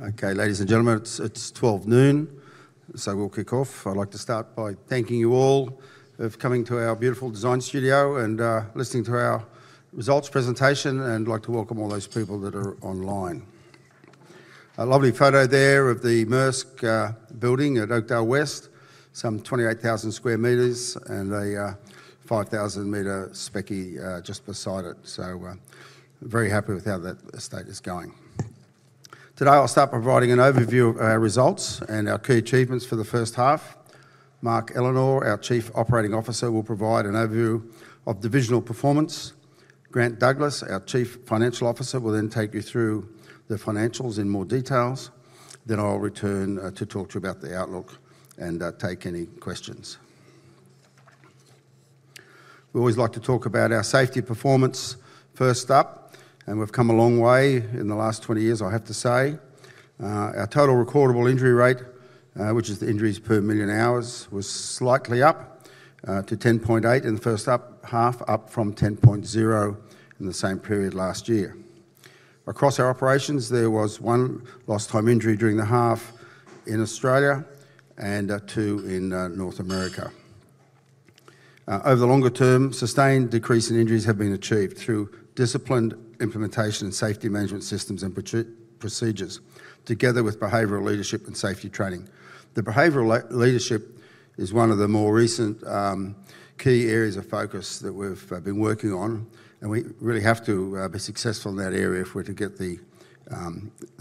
Okay, ladies and gentlemen, it's 12:00 P.M., so we'll kick off. I'd like to start by thanking you all for coming to our beautiful design studio and listening to our results presentation, and I'd like to welcome all those people that are online. A lovely photo there of the Maersk building at Oakdale West, some 28,000 square meters, and a 5,000-meter spec just beside it, so very happy with how that estate is going. Today I'll start by providing an overview of our results and our key achievements for the first half. Mark Ellenor, our Chief Operating Officer, will provide an overview of divisional performance. Grant Douglas, our Chief Financial Officer, will then take you through the financials in more details. Then I'll return to talk to you about the outlook and take any questions. We always like to talk about our safety performance first up, and we've come a long way in the last 20 years, I have to say. Our total recordable injury rate, which is the injuries per million hours, was slightly up to 10.8 in the first half, up from 10.0 in the same period last year. Across our operations, there was one lost-time injury during the half in Australia and two in North America. Over the longer term, sustained decrease in injuries has been achieved through disciplined implementation and safety management systems and procedures, together with behavioral leadership and safety training. The behavioral leadership is one of the more recent key areas of focus that we've been working on, and we really have to be successful in that area if we're to get the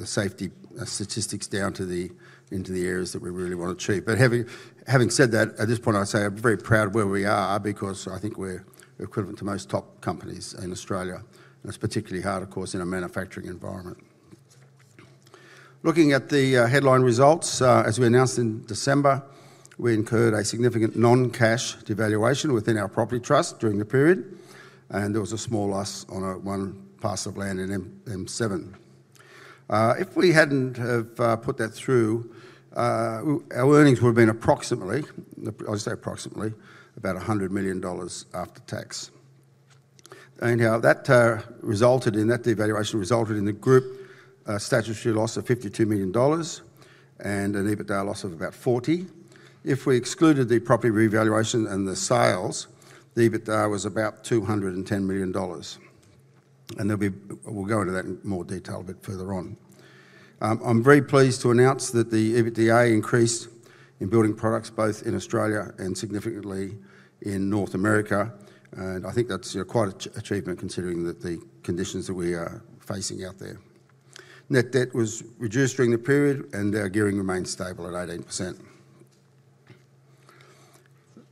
safety statistics down into the areas that we really want to achieve. But having said that, at this point I'd say I'm very proud of where we are because I think we're equivalent to most top companies in Australia, and it's particularly hard, of course, in a manufacturing environment. Looking at the headline results, as we announced in December, we incurred a significant non-cash devaluation within our property trust during the period, and there was a small loss on one parcel of land in M7. If we hadn't put that through, our earnings would have been approximately, I'll just say approximately, about 100 million dollars after tax. Anyhow, that resulted in that devaluation resulted in the group statutory loss of 52 million dollars and an EBITDA loss of about 40 million. If we excluded the property revaluation and the sales, the EBITDA was about 210 million dollars, and we'll go into that in more detail a bit further on. I'm very pleased to announce that the EBITDA increased in building products both in Australia and significantly in North America, and I think that's quite an achievement considering the conditions that we are facing out there. Net debt was reduced during the period, and our gearing remained stable at 18%.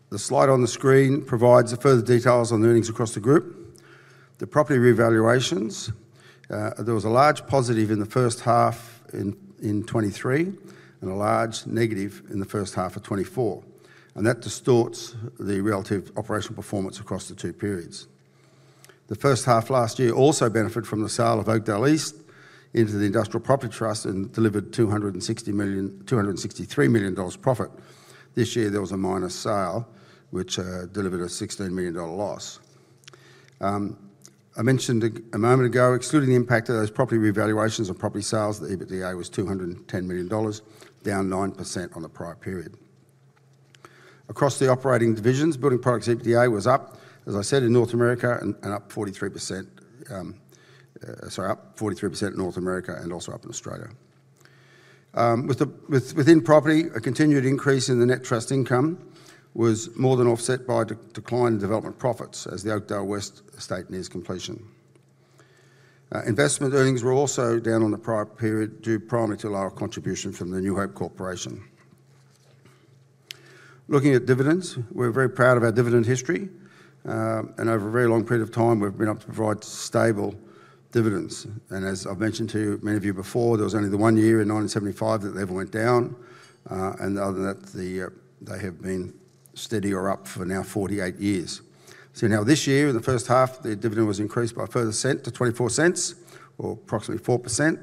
The slide on the screen provides further details on the earnings across the group. The property revaluations, there was a large positive in the first half in 2023 and a large negative in the first half of 2024, and that distorts the relative operational performance across the two periods. The first half last year also benefited from the sale of Oakdale East into the Industrial Property Trust and delivered 263 million dollars profit. This year there was a M7 sale, which delivered a 16 million dollar loss. I mentioned a moment ago, excluding the impact of those property revaluations and property sales, the EBITDA was 210 million dollars, down 9% on the prior period. Across the operating divisions, building products EBITDA was up, as I said, in North America and up 43%, sorry, up 43% in North America and also up in Australia. Within property, a continued increase in the net trust income was more than offset by decline in development profits as the Oakdale West estate nears completion. Investment earnings were also down on the prior period due primarily to our contribution from the New Hope Corporation. Looking at dividends, we're very proud of our dividend history, and over a very long period of time we've been able to provide stable dividends. As I've mentioned to many of you before, there was only the one year in 1975 that they ever went down, and other than that they have been steady or up for now 48 years. Now this year, in the first half, the dividend was increased by a further AUD 0.01 to 0.24 or approximately 4%.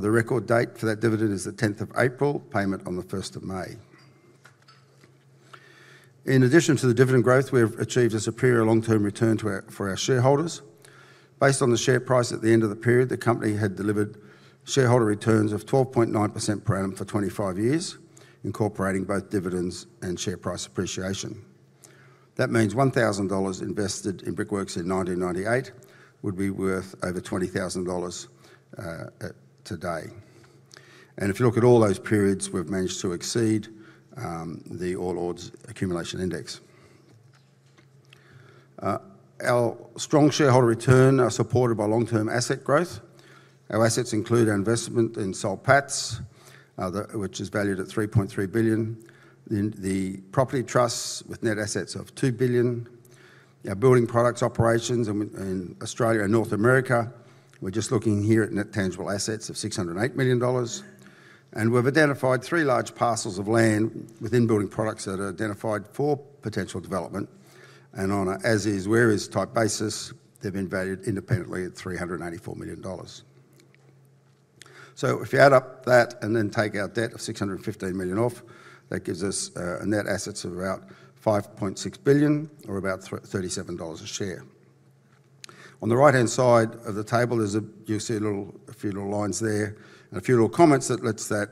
The record date for that dividend is the 10th of April, payment on the 1st of May. In addition to the dividend growth, we have achieved a superior long-term return for our shareholders. Based on the share price at the end of the period, the company had delivered shareholder returns of 12.9% per annum for 25 years, incorporating both dividends and share price appreciation. That means 1,000 dollars invested in Brickworks in 1998 would be worth over 20,000 dollars today. If you look at all those periods, we've managed to exceed the All Ordinaries Accumulation Index. Our strong shareholder returns are supported by long-term asset growth. Our assets include our investment in Soul Patts, which is valued at 3.3 billion, the property trusts with net assets of 2 billion. Our building products operations in Australia and North America, we're just looking here at net tangible assets of 608 million dollars, and we've identified three large parcels of land within building products that are identified for potential development and on an as-is, where-is type basis. They've been valued independently at 384 million dollars. So if you add up that and then take our debt of 615 million off, that gives us net assets of about 5.6 billion or about 37 dollars a share. On the right-hand side of the table, you'll see a few little lines there and a few little comments that let's that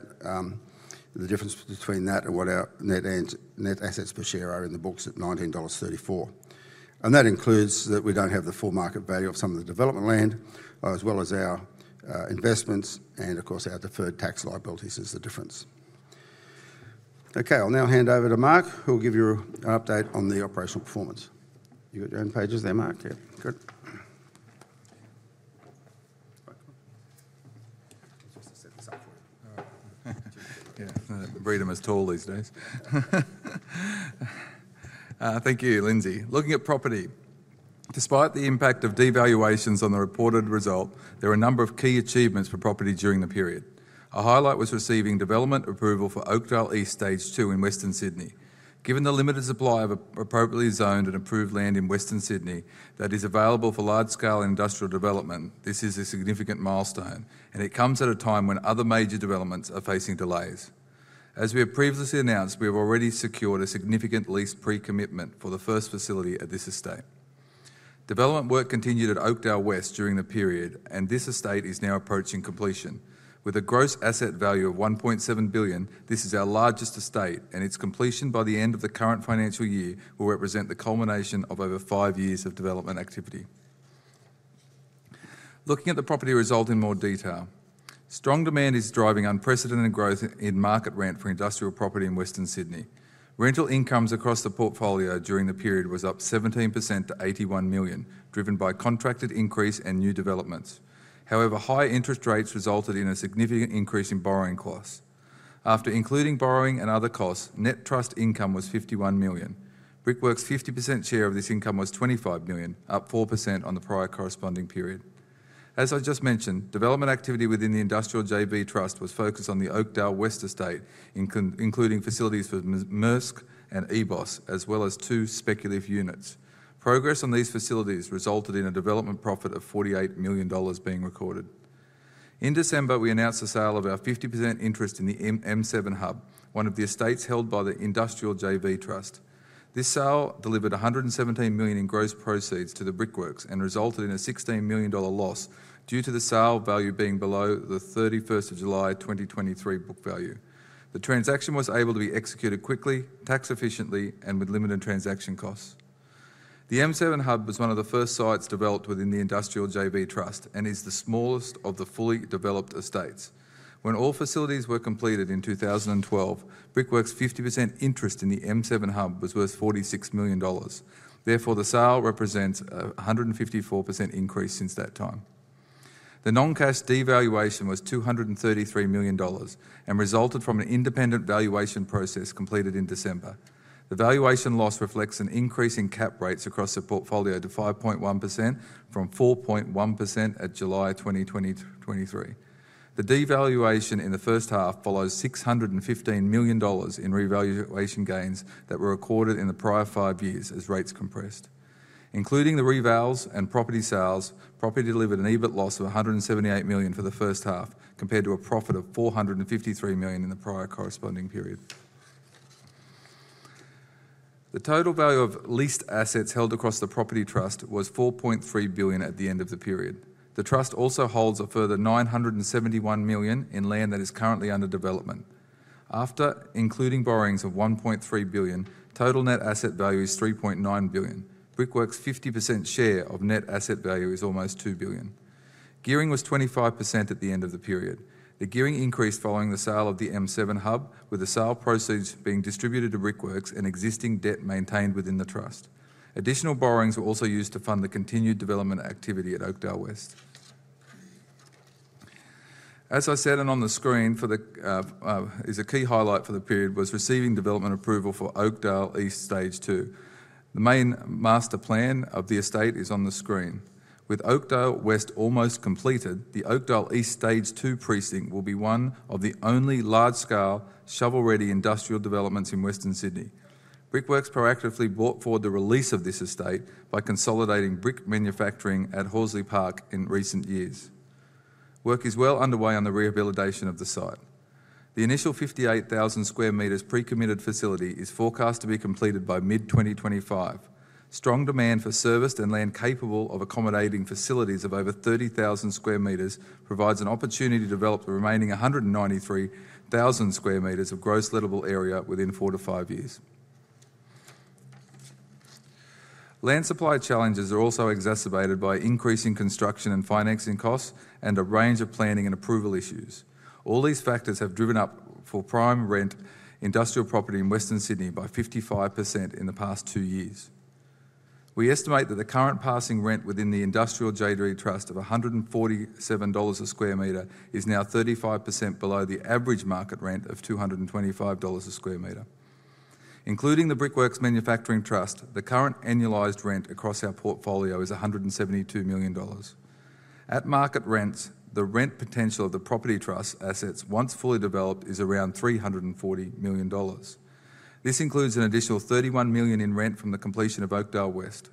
the difference between that and what our net assets per share are in the books at 19.34 dollars. And that includes that we don't have the full market value of some of the development land as well as our investments and, of course, our deferred tax liabilities is the difference. Okay, I'll now hand over to Mark, who'll give you an update on the operational performance. You got your own pages there, Mark? Yeah, good. I was just going to set this up for you. Yeah, the podium is tall these days. Thank you, Lindsay. Looking at property, despite the impact of devaluations on the reported result, there were a number of key achievements for property during the period. A highlight was receiving development approval for Oakdale East Stage Two in Western Sydney. Given the limited supply of appropriately zoned and approved land in Western Sydney that is available for large-scale industrial development, this is a significant milestone, and it comes at a time when other major developments are facing delays. As we have previously announced, we have already secured a significant lease pre-commitment for the first facility at this estate. Development work continued at Oakdale West during the period, and this estate is now approaching completion. With a gross asset value of 1.7 billion, this is our largest estate, and its completion by the end of the current financial year will represent the culmination of over five years of development activity. Looking at the property result in more detail, strong demand is driving unprecedented growth in market rent for industrial property in Western Sydney. Rental incomes across the portfolio during the period was up 17% to 81 million, driven by contracted increase and new developments. However, high interest rates resulted in a significant increase in borrowing costs. After including borrowing and other costs, net trust income was 51 million. Brickworks' 50% share of this income was 25 million, up 4% on the prior corresponding period. As I just mentioned, development activity within the Industrial JV Trust was focused on the Oakdale West estate, including facilities for Maersk and EBOS, as well as two speculative units. Progress on these facilities resulted in a development profit of 48 million dollars being recorded. In December, we announced the sale of our 50% interest in the M7 Hub, one of the estates held by the Industrial JV Trust. This sale delivered 117 million in gross proceeds to the Brickworks and resulted in a 16 million dollar loss due to the sale value being below the 31st of July 2023 book value. The transaction was able to be executed quickly, tax efficiently, and with limited transaction costs. The M7 Hub was one of the first sites developed within the Industrial JV Trust and is the smallest of the fully developed estates. When all facilities were completed in 2012, Brickworks' 50% interest in the M7 Hub was worth 46 million dollars. Therefore, the sale represents a 154% increase since that time. The non-cash devaluation was 233 million dollars and resulted from an independent valuation process completed in December. The valuation loss reflects an increase in cap rates across the portfolio to 5.1% from 4.1% at July 2023. The devaluation in the first half follows 615 million dollars in revaluation gains that were recorded in the prior five years as rates compressed. Including the revalues and property sales, property delivered an EBIT loss of 178 million for the first half compared to a profit of 453 million in the prior corresponding period. The total value of leased assets held across the property trust was 4.3 billion at the end of the period. The trust also holds a further 971 million in land that is currently under development. After including borrowings of 1.3 billion, total net asset value is 3.9 billion. Brickworks' 50% share of net asset value is almost 2 billion. Gearing was 25% at the end of the period. The gearing increased following the sale of the M7 Hub, with the sale proceeds being distributed to Brickworks and existing debt maintained within the trust. Additional borrowings were also used to fund the continued development activity at Oakdale West. As I said, and on the screen, a key highlight for the period was receiving development approval for Oakdale East Stage Two. The main master plan of the estate is on the screen. With Oakdale West almost completed, the Oakdale East Stage Two precinct will be one of the only large-scale shovel-ready industrial developments in Western Sydney. Brickworks proactively brought forward the release of this estate by consolidating brick manufacturing at Horsley Park in recent years. Work is well underway on the rehabilitation of the site. The initial 58,000 square meters pre-committed facility is forecast to be completed by mid-2025. Strong demand for serviced and land capable of accommodating facilities of over 30,000 square meters provides an opportunity to develop the remaining 193,000 square meters of gross livable area within four to five years. Land supply challenges are also exacerbated by increasing construction and financing costs and a range of planning and approval issues. All these factors have driven up for prime rent industrial property in Western Sydney by 55% in the past two years. We estimate that the current passing rent within the Industrial JV Trust of 147 dollars a square meter is now 35% below the average market rent of 225 dollars a square meter. Including the Brickworks Manufacturing Trust, the current annualized rent across our portfolio is 172 million dollars. At market rents, the rent potential of the property trust assets once fully developed is around 340 million dollars. This includes an additional 31 million in rent from the completion of Oakdale West.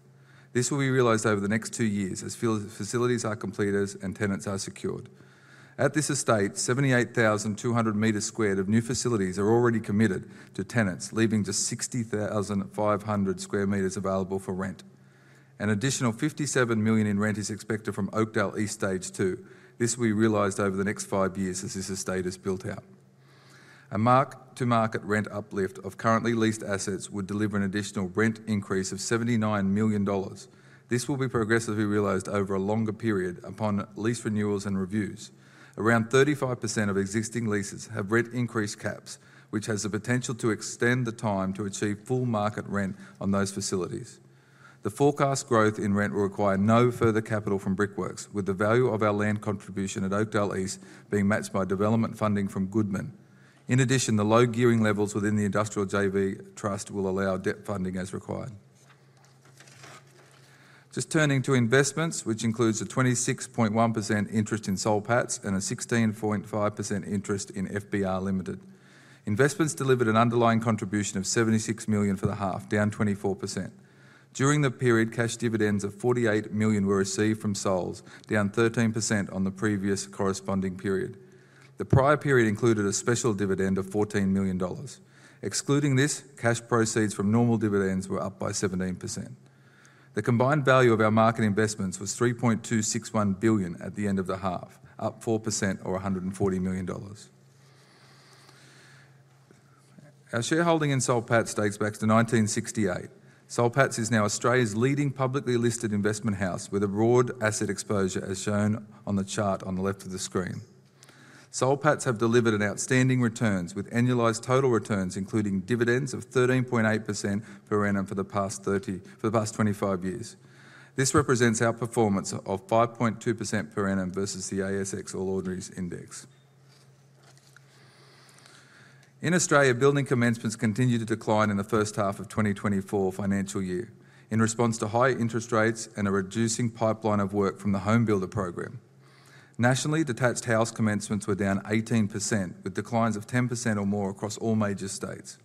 This will be realized over the next two years as facilities are completed and tenants are secured. At this estate, 78,200 square meters of new facilities are already committed to tenants, leaving just 60,500 square meters available for rent. An additional 57 million in rent is expected from Oakdale East Stage Two. This will be realized over the next five years as this estate is built out. A mark-to-market rent uplift of currently leased assets would deliver an additional rent increase of 79 million dollars. This will be progressively realized over a longer period upon lease renewals and reviews. Around 35% of existing leases have rent increase caps, which has the potential to extend the time to achieve full market rent on those facilities. The forecast growth in rent will require no further capital from Brickworks, with the value of our land contribution at Oakdale East being matched by development funding from Goodman. In addition, the low gearing levels within the Industrial JV Trust will allow debt funding as required. Just turning to investments, which includes a 26.1% interest in Soul Patts and a 16.5% interest in FBR Limited. Investments delivered an underlying contribution of AUD 76 million for the half, down 24%. During the period, cash dividends of AUD 48 million were received from Souls, down 13% on the previous corresponding period. The prior period included a special dividend of 14 million dollars. Excluding this, cash proceeds from normal dividends were up by 17%. The combined value of our market investments was 3.261 billion at the end of the half, up 4% or 140 million dollars. Our shareholding in Soul Patts dates back to 1968. Soul Patts is now Australia's leading publicly listed investment house with a broad asset exposure, as shown on the chart on the left of the screen. Soul Patts have delivered outstanding returns with annualized total returns including dividends of 13.8% per annum for the past 25 years. This represents outperformance of 5.2% per annum versus the ASX All Ordinaries Index. In Australia, building commencements continued to decline in the first half of 2024 financial year in response to high interest rates and a reducing pipeline of work from the HomeBuilder program. Nationally, detached house commencements were down 18% with declines of 10% or more across all major states.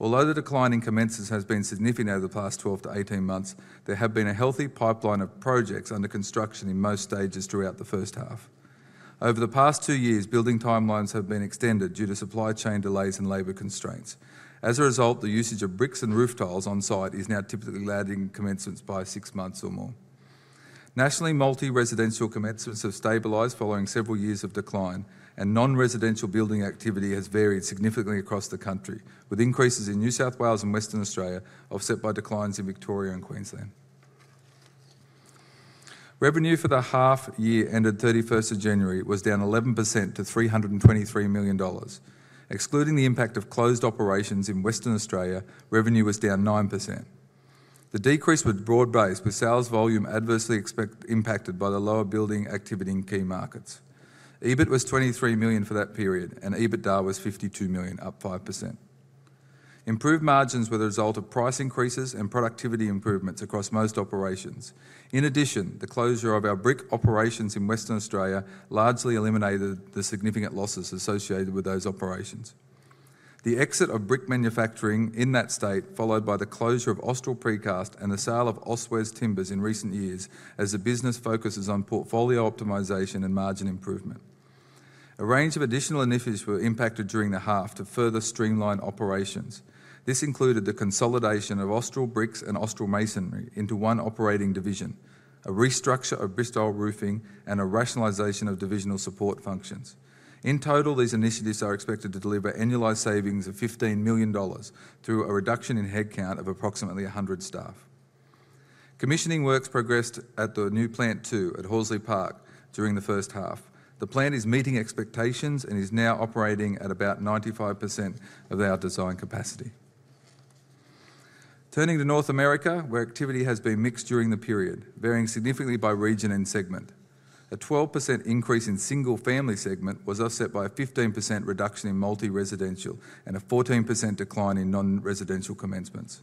Although the decline in commencements has been significant over the past 12-18 months, there have been a healthy pipeline of projects under construction in most stages throughout the first half. Over the past two years, building timelines have been extended due to supply chain delays and labor constraints. As a result, the usage of bricks and roof tiles on site is now typically allowed in commencements by six months or more. Nationally, multi-residential commencements have stabilized following several years of decline, and non-residential building activity has varied significantly across the country, with increases in New South Wales and Western Australia offset by declines in Victoria and Queensland. Revenue for the half year ended 31st of January was down 11% to 323 million dollars. Excluding the impact of closed operations in Western Australia, revenue was down 9%. The decrease was broad-based, with sales volume adversely impacted by the lower building activity in key markets. EBIT was 23 million for that period, and EBITDA was 52 million, up 5%. Improved margins were the result of price increases and productivity improvements across most operations. In addition, the closure of our brick operations in Western Australia largely eliminated the significant losses associated with those operations. The exit of brick manufacturing in that state, followed by the closure of Austral Precast and the sale of Auswest Timbers in recent years as the business focuses on portfolio optimization and margin improvement. A range of additional initiatives were impacted during the half to further streamline operations. This included the consolidation of Austral Bricks and Austral Masonry into one operating division, a restructure of Bristile Roofing, and a rationalization of divisional support functions. In total, these initiatives are expected to deliver annualized savings of 15 million dollars through a reduction in headcount of approximately 100 staff. Commissioning works progressed at the new Plant Two at Horsley Park during the first half. The plant is meeting expectations and is now operating at about 95% of our design capacity. Turning to North America, where activity has been mixed during the period, varying significantly by region and segment. A 12% increase in single-family segment was offset by a 15% reduction in multi-residential and a 14% decline in non-residential commencements.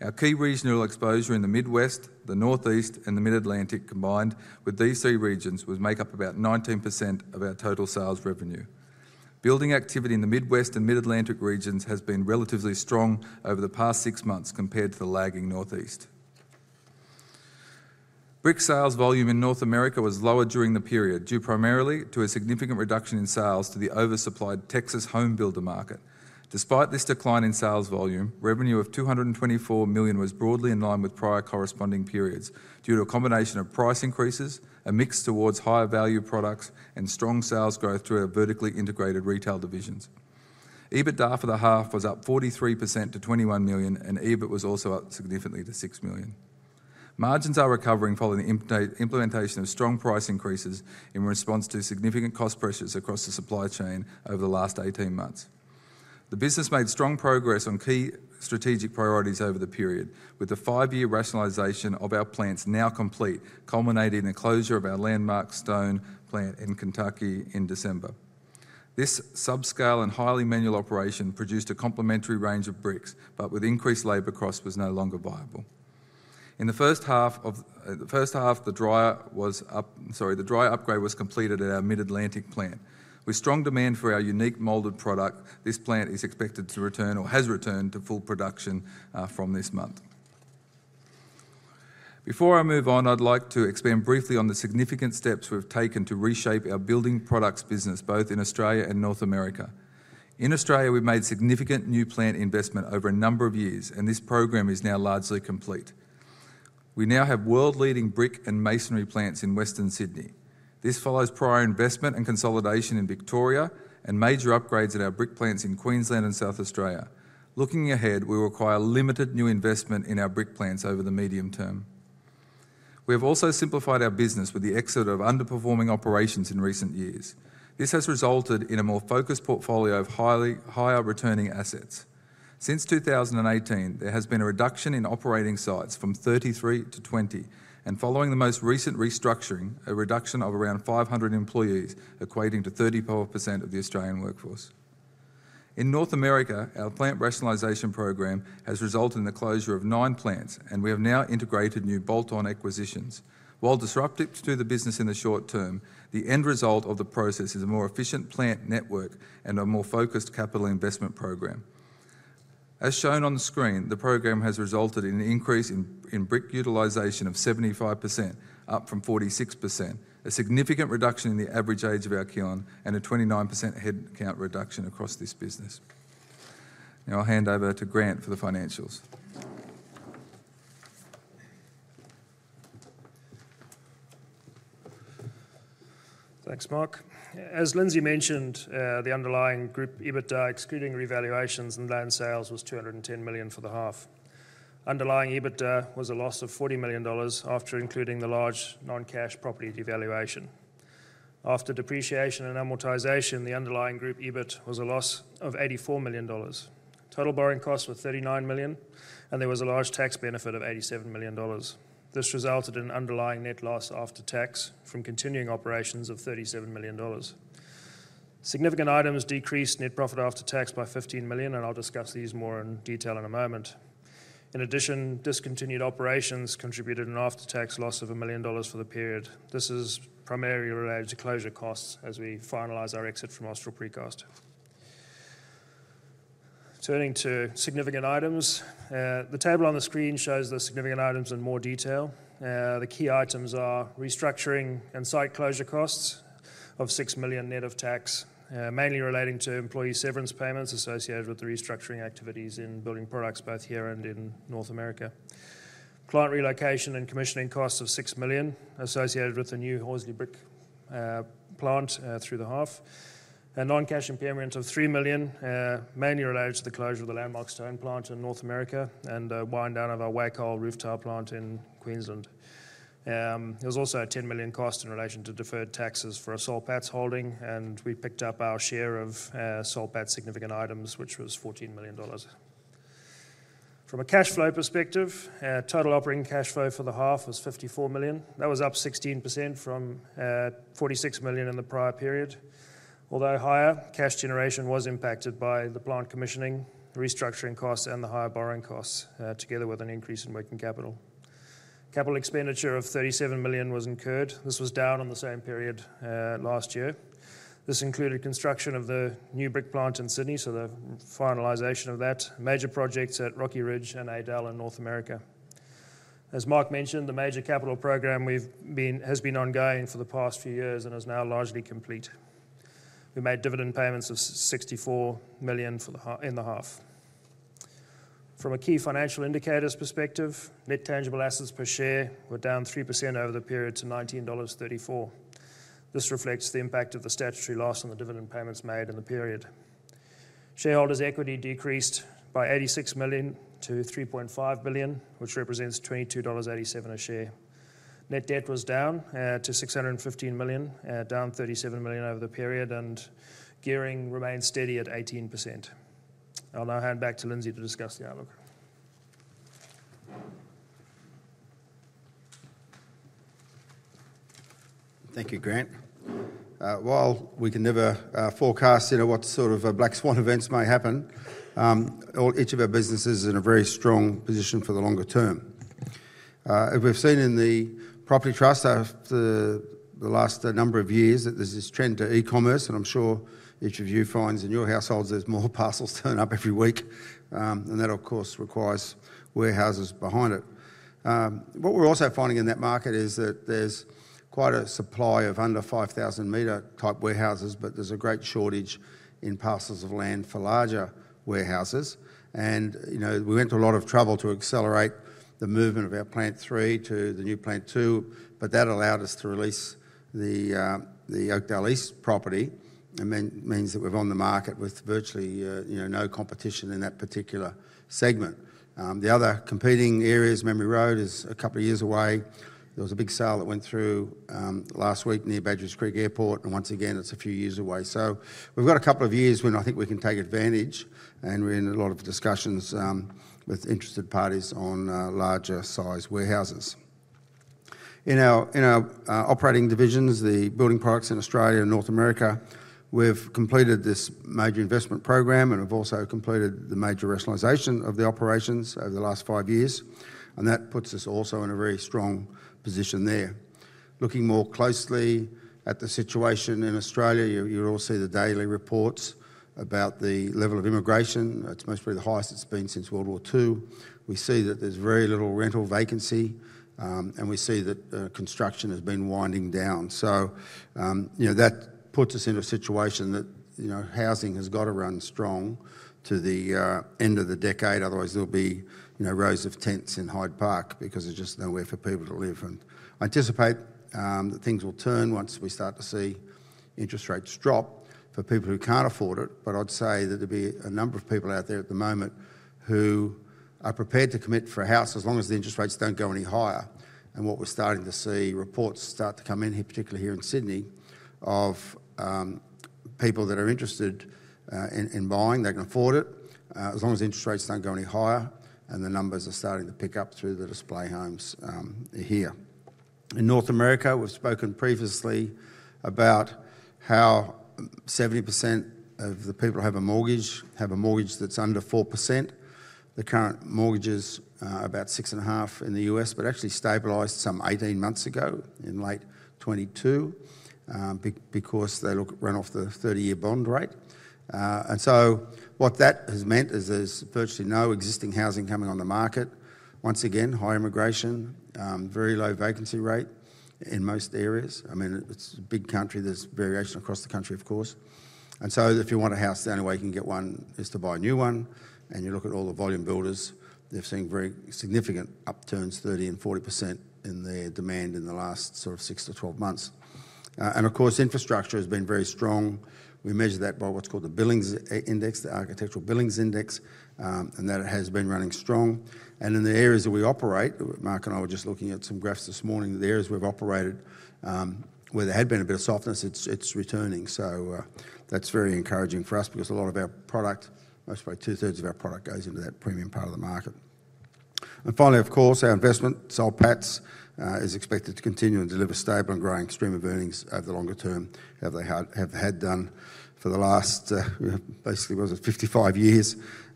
Our key regional exposure in the Midwest, the Northeast, and the Mid-Atlantic combined with these three regions would make up about 19% of our total sales revenue. Building activity in the Midwest and Mid-Atlantic regions has been relatively strong over the past six months compared to the lagging Northeast. Brick sales volume in North America was lower during the period due primarily to a significant reduction in sales to the oversupplied Texas homebuilder market. Despite this decline in sales volume, revenue of $224 million was broadly in line with prior corresponding periods due to a combination of price increases, a mix towards higher-value products, and strong sales growth through our vertically integrated retail divisions. EBITDA for the half was up 43% to $21 million, and EBIT was also up significantly to $6 million. Margins are recovering following the implementation of strong price increases in response to significant cost pressures across the supply chain over the last 18 months. The business made strong progress on key strategic priorities over the period, with the five-year rationalization of our plants now complete culminating in the closure of our Landmark Stone plant in Kentucky in December. This subscale and highly manual operation produced a complementary range of bricks, but, with increased labor costs, was no longer viable. In the first half, the dry upgrade was completed at our Mid-Atlantic plant. With strong demand for our unique molded product, this plant is expected to return or has returned to full production from this month. Before I move on, I'd like to expand briefly on the significant steps we've taken to reshape our building products business both in Australia and North America. In Australia, we've made significant new plant investment over a number of years, and this program is now largely complete. We now have world-leading brick and masonry plants in Western Sydney. This follows prior investment and consolidation in Victoria and major upgrades at our brick plants in Queensland and South Australia. Looking ahead, we require limited new investment in our brick plants over the medium term. We have also simplified our business with the exit of underperforming operations in recent years. This has resulted in a more focused portfolio of higher-returning assets. Since 2018, there has been a reduction in operating sites from 33 to 20, and following the most recent restructuring, a reduction of around 500 employees equating to 34% of the Australian workforce. In North America, our plant rationalization program has resulted in the closure of 9 plants, and we have now integrated new bolt-on acquisitions. While disruptive to the business in the short term, the end result of the process is a more efficient plant network and a more focused capital investment program. As shown on the screen, the program has resulted in an increase in brick utilization of 75%, up from 46%, a significant reduction in the average age of our kiln, and a 29% headcount reduction across this business. Now I'll hand over to Grant for the financials. Thanks, Mark. As Lindsay mentioned, the underlying group EBITDA, excluding revaluations and land sales, was 210 million for the half. Underlying EBITDA was a loss of 40 million dollars after including the large non-cash property devaluation. After depreciation and amortization, the underlying group EBIT was a loss of 84 million dollars. Total borrowing costs were 39 million, and there was a large tax benefit of 87 million dollars. This resulted in an underlying net loss after tax from continuing operations of 37 million dollars. Significant items decreased net profit after tax by 15 million, and I'll discuss these more in detail in a moment. In addition, discontinued operations contributed an after-tax loss of 1 million dollars for the period. This is primarily related to closure costs as we finalize our exit from Austral Precast. Turning to significant items, the table on the screen shows the significant items in more detail. The key items are restructuring and site closure costs of 6 million net of tax, mainly relating to employee severance payments associated with the restructuring activities in building products both here and in North America. Plant relocation and commissioning costs of 6 million associated with the new Horsley Brick plant through the half. A non-cash impairment of 3 million, mainly related to the closure of the Landmark Stone plant in North America and a wind-down of our Wacol roof tile plant in Queensland. There was also a 10 million cost in relation to deferred taxes for a Soul Patts holding, and we picked up our share of Soul Patts significant items, which was 14 million dollars. From a cash flow perspective, total operating cash flow for the half was 54 million. That was up 16% from 46 million in the prior period. Although higher, cash generation was impacted by the plant commissioning, restructuring costs, and the higher borrowing costs together with an increase in working capital. Capital expenditure of 37 million was incurred. This was down on the same period last year. This included construction of the new brick plant in Sydney, so the finalization of that, major projects at Rocky Ridge and Adel in North America. As Mark mentioned, the major capital program has been ongoing for the past few years and is now largely complete. We made dividend payments of 64 million in the half. From a key financial indicator's perspective, net tangible assets per share were down 3% over the period to 19.34 dollars. This reflects the impact of the statutory loss on the dividend payments made in the period. Shareholders' equity decreased by 86 million to 3.5 billion, which represents 22.87 dollars a share. Net debt was down to 615 million, down 37 million over the period, and gearing remained steady at 18%. I'll now hand back to Lindsay to discuss the outlook. Thank you, Grant. While we can never forecast what sort of black swan events may happen, each of our businesses is in a very strong position for the longer term. We've seen in the property trust over the last number of years that there's this trend to e-commerce, and I'm sure each of you finds in your households there's more parcels turned up every week, and that, of course, requires warehouses behind it. What we're also finding in that market is that there's quite a supply of under 5,000-metre type warehouses, but there's a great shortage in parcels of land for larger warehouses. We went to a lot of trouble to accelerate the movement of our Plant Three to the new Plant Two, but that allowed us to release the Oakdale East property, and that means that we're on the market with virtually no competition in that particular segment. The other competing areas, Mamre Road, is a couple of years away. There was a big sale that went through last week near Badgerys Creek Airport, and once again, it's a few years away. So we've got a couple of years when I think we can take advantage, and we're in a lot of discussions with interested parties on larger-sized warehouses. In our operating divisions, the building products in Australia and North America, we've completed this major investment program and have also completed the major rationalization of the operations over the last five years, and that puts us also in a very strong position there. Looking more closely at the situation in Australia, you'll all see the daily reports about the level of immigration. It's most probably the highest it's been since World War II. We see that there's very little rental vacancy, and we see that construction has been winding down. So that puts us in a situation that housing has got to run strong to the end of the decade. Otherwise, there'll be rows of tents in Hyde Park because there's just nowhere for people to live. I anticipate that things will turn once we start to see interest rates drop for people who can't afford it, but I'd say that there'll be a number of people out there at the moment who are prepared to commit for a house as long as the interest rates don't go any higher. What we're starting to see, reports start to come in here, particularly here in Sydney, of people that are interested in buying, they can afford it, as long as interest rates don't go any higher, and the numbers are starting to pick up through the display homes here. In North America, we've spoken previously about how 70% of the people who have a mortgage have a mortgage that's under 4%. The current mortgage is about 6.5% in the U.S., but actually stabilized some 18 months ago in late 2022 because they ran off the 30-year bond rate. And so what that has meant is there's virtually no existing housing coming on the market. Once again, high immigration, very low vacancy rate in most areas. I mean, it's a big country. There's variation across the country, of course. And so if you want a house the only way you can get one is to buy a new one. And you look at all the volume builders, they've seen very significant upturns, 30%-40% in their demand in the last sort of 6-12 months. And of course, infrastructure has been very strong. We measure that by what's called the Billings Index, the Architectural Billings Index, and that it has been running strong. In the areas that we operate, Mark and I were just looking at some graphs this morning, the areas we've operated where there had been a bit of softness, it's returning. That's very encouraging for us because a lot of our product, most probably two-thirds of our product, goes into that premium part of the market. Finally, of course, our investment, Soul Patts, is expected to continue and deliver stable and growing stream of earnings over the longer term, how they have had done for the last, basically, was it 55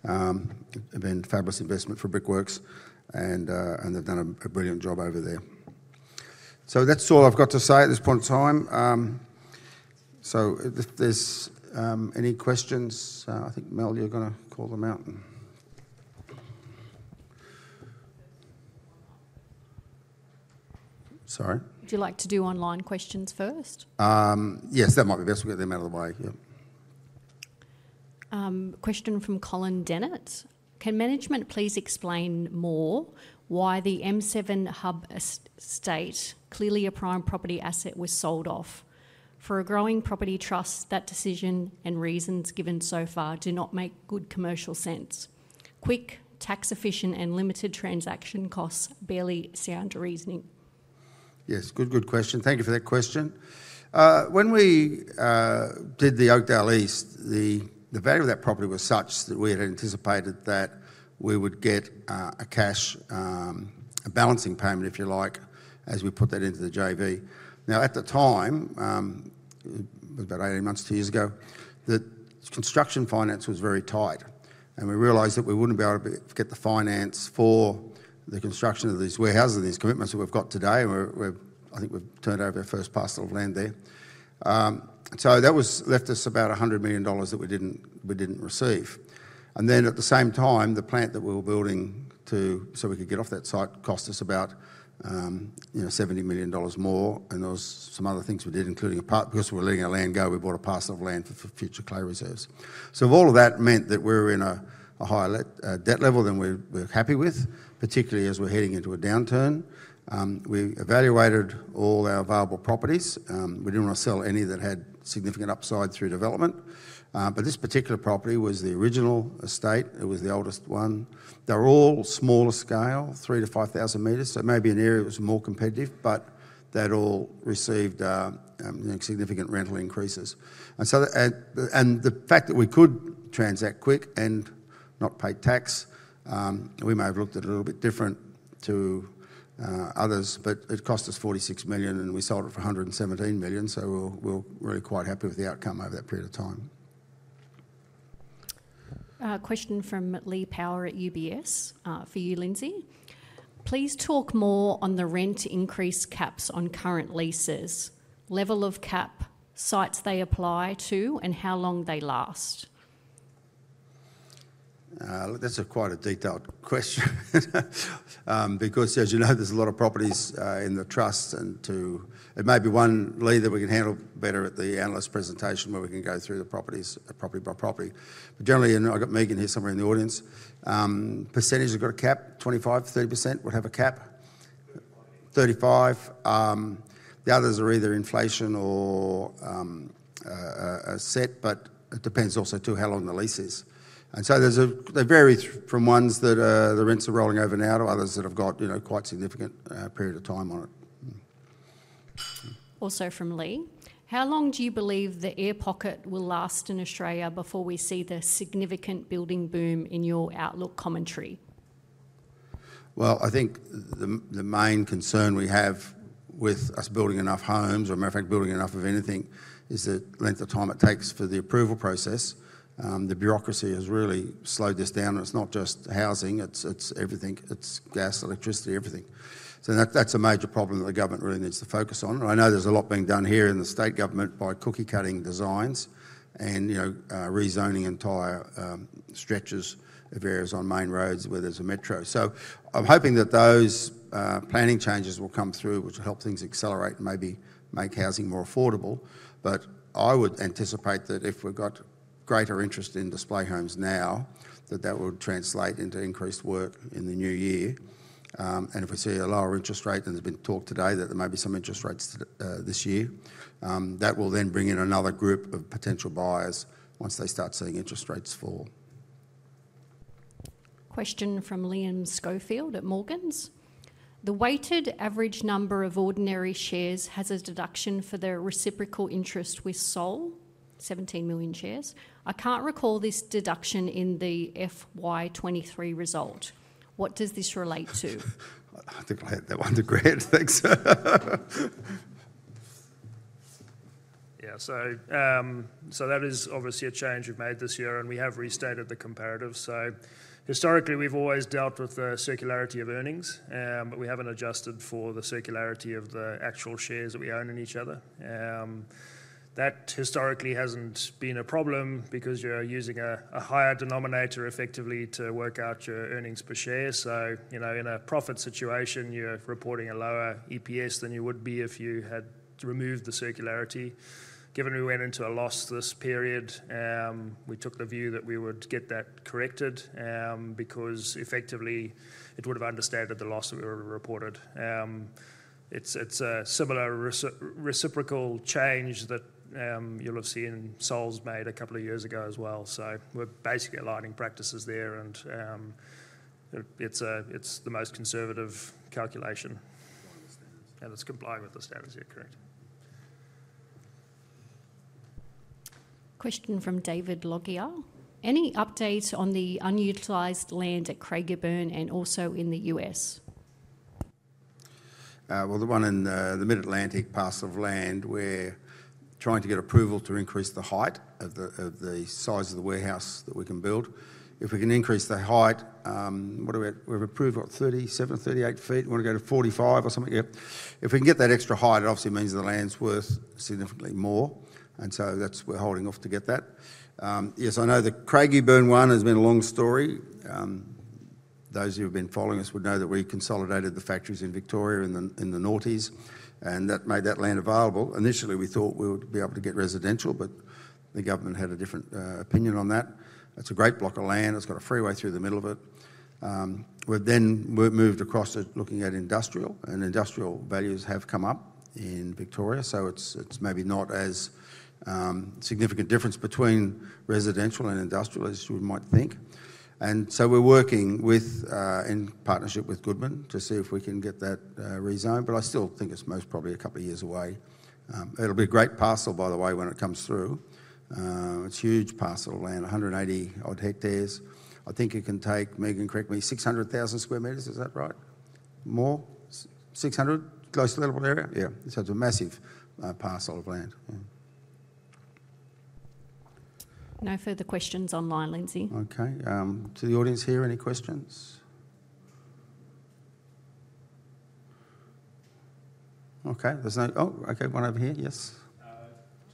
years? It's been a fabulous investment for Brickworks, and they've done a brilliant job over there. That's all I've got to say at this point in time. If there's any questions, I think Mel, you're going to call them out. Sorry? Would you like to do online questions first? Yes, that might be best. We'll get them out of the way. Yep. Question from Colin Dennett. Can management please explain more why the M7 Business Hub, clearly a prime property asset, was sold off? For a growing property trust, that decision and reasons given so far do not make good commercial sense. Quick, tax-efficient, and limited transaction costs barely sound reasoning. Yes, good, good question. Thank you for that question. When we did the Oakdale East, the value of that property was such that we had anticipated that we would get a cash balancing payment, if you like, as we put that into the JV. Now, at the time, it was about 18 months, two years ago, the construction finance was very tight, and we realized that we wouldn't be able to get the finance for the construction of these warehouses and these commitments that we've got today. I think we've turned over our first parcel of land there. So that left us about 100 million dollars that we didn't receive. Then at the same time, the plant that we were building so we could get off that site cost us about 70 million dollars more. And there was some other things we did, including a part because we were letting our land go, we bought a parcel of land for future clay reserves. So all of that meant that we were in a higher debt level than we were happy with, particularly as we're heading into a downturn. We evaluated all our available properties. We didn't want to sell any that had significant upside through development. But this particular property was the original estate. It was the oldest one. They were all smaller scale, three to 5,000 meters. So maybe an area was more competitive, but they'd all received significant rental increases. And the fact that we could transact quick and not pay tax, we may have looked at it a little bit different to others, but it cost us 46 million, and we sold it for 117 million. So we're really quite happy with the outcome over that period of time. Question from Lee Power at UBS for you, Lindsay. Please talk more on the rent increase caps on current leases, level of cap, sites they apply to, and how long they last. That's quite a detailed question because, as you know, there's a lot of properties in the trust, and it may be one lead that we can handle better at the analyst presentation where we can go through the properties property by property. But generally, and I've got Megan here somewhere in the audience, percentages have got a cap, 25%, 30% would have a cap? 35%. 35%. The others are either inflation or a set, but it depends also too how long the lease is. And so they vary from ones that the rents are rolling over now to others that have got quite a significant period of time on it. Also from Lee. How long do you believe the air pocket will last in Australia before we see the significant building boom in your outlook commentary? Well, I think the main concern we have with us building enough homes, or as a matter of fact, building enough of anything, is the length of time it takes for the approval process. The bureaucracy has really slowed this down, and it's not just housing. It's everything. It's gas, electricity, everything. So that's a major problem that the government really needs to focus on. And I know there's a lot being done here in the state government by cookie-cutter designs and rezoning entire stretches of areas on main roads where there's a metro. So I'm hoping that those planning changes will come through, which will help things accelerate and maybe make housing more affordable. But I would anticipate that if we've got greater interest in display homes now, that that would translate into increased work in the new year. And if we see a lower interest rate, and there's been talk today that there may be some interest rates this year, that will then bring in another group of potential buyers once they start seeing interest rates fall. Question from Liam Schofield at Morgans. The weighted average number of ordinary shares has a deduction for the reciprocal interest we sold, 17 million shares. I can't recall this deduction in the FY23 result. What does this relate to? I think I'll hand that one to Grant. Thanks. Yeah, so that is obviously a change we've made this year, and we have restated the comparative. So historically, we've always dealt with the circularity of earnings, but we haven't adjusted for the circularity of the actual shares that we own in each other. That historically hasn't been a problem because you're using a higher denominator effectively to work out your earnings per share. So in a profit situation, you're reporting a lower EPS than you would be if you had removed the circularity. Given we went into a loss this period, we took the view that we would get that corrected because effectively, it would have understated the loss that we would have reported. It's a similar reciprocal change that you'll have seen in Soul's made a couple of years ago as well. So we're basically aligning practices there, and it's the most conservative calculation. And it's complying with the standards. And it's complying with the standards. Yeah, correct. Question from David Loggia. Any updates on the unutilised land at Craigieburn and also in the US? Well, the one in the Mid-Atlantic parcel of land, we're trying to get approval to increase the height of the size of the warehouse that we can build. If we can increase the height, we've approved, what, 37, 38 feet? We want to go to 45 or something. Yeah. If we can get that extra height, it obviously means the land's worth significantly more. And so we're holding off to get that. Yes, I know the Craigieburn one has been a long story. Those who have been following us would know that we consolidated the factories in Victoria in the 2000s, and that made that land available. Initially, we thought we would be able to get residential, but the government had a different opinion on that. It's a great block of land. It's got a freeway through the middle of it. We've then moved across to looking at industrial, and industrial values have come up in Victoria. So it's maybe not as significant a difference between residential and industrial as you might think. And so we're working in partnership with Goodman to see if we can get that rezoned, but I still think it's most probably a couple of years away. It'll be a great parcel, by the way, when it comes through. It's a huge parcel of land, 180-odd hectares. I think it can take, Megan, correct me, 600,000 square meters. Is that right? More? 600? Close to the level area? Yeah. So it's a massive parcel of land. No further questions online, Lindsay. Okay. To the audience here, any questions? Okay. There's no oh, okay. One over here. Yes?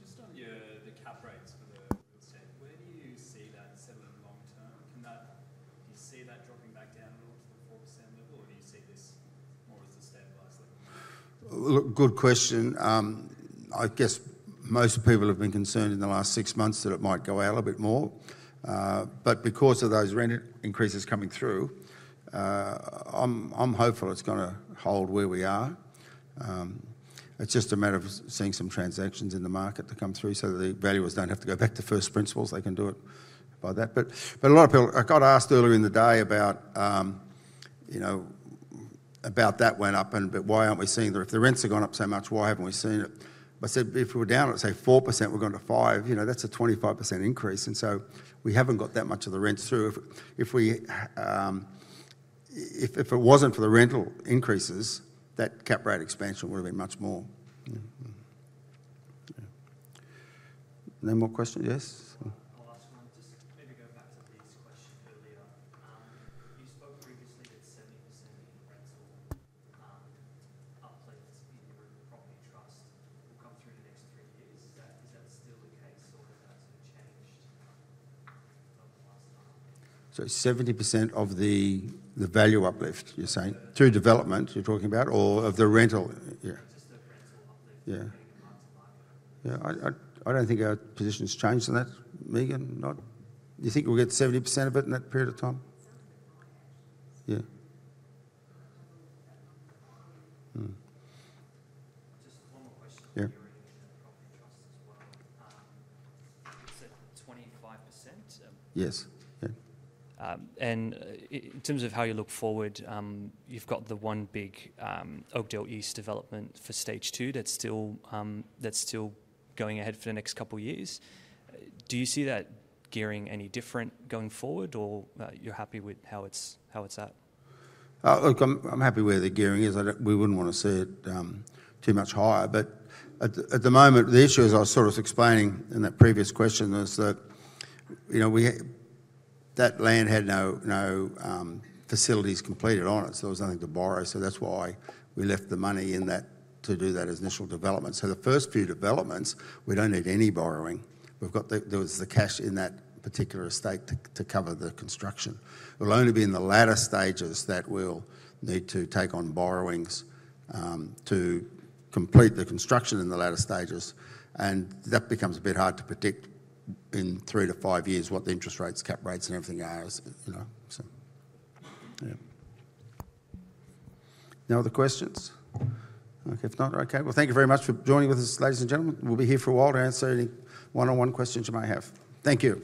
Just on the cap rates for the estate, where do you see that settling long-term? Do you see that dropping back down at all to the 4% level, or do you see this more as a stabilized level? Good question. I guess most people have been concerned in the last six months that it might go out a bit more. But because of those rent increases coming through, I'm hopeful it's going to hold where we are. It's just a matter of seeing some transactions in the market to come through so that the valuers don't have to go back to first principles. They can do it by that. But a lot of people I got asked earlier in the day about that went up, but why aren't we seeing the if the rents have gone up so much, why haven't we seen it? But I said if we were down, let's say 4%, we're going to 5%. That's a 25% increase. And so we haven't got that much of the rent through. If it wasn't for the rental increases, that cap rate expansion would have been much more. Yeah. No more questions? Yes? Last one. Just maybe going back to these questions earlier. You spoke previously that 70% rental uplifts in your property trust will come through in the next three years. Is that still the case, or has that sort of changed over the last time? So 70% of the value uplift, you're saying? Through development you're talking about, or of the rental? Yeah. Just the rental uplift and getting it market to market. Yeah. I don't think our position's changed on that, Megan. Do you think we'll get 70% of it in that period of time? It sounds like high, actually. Yeah. But I can't believe that number. Just one more question. You were in the property trust as well. You said 25%? Yes. Yeah. In terms of how you look forward, you've got the one big Oakdale East Stage Two development that's still going ahead for the next couple of years. Do you see that gearing any different going forward, or you're happy with how it's at? Look, I'm happy where the gearing is. We wouldn't want to see it too much higher. But at the moment, the issue as I was sort of explaining in that previous question is that that land had no facilities completed on it. So there was nothing to borrow. So that's why we left the money in that to do that initial development. So the first few developments, we don't need any borrowing. There was the cash in that particular estate to cover the construction. It'll only be in the latter stages that we'll need to take on borrowings to complete the construction in the latter stages. And that becomes a bit hard to predict in three to five years what the interest rates, cap rates, and everything are. So yeah. No other questions? Okay. If not, okay. Well, thank you very much for joining with us, ladies and gentlemen. We'll be here for a while to answer any one-on-one questions you may have. Thank you.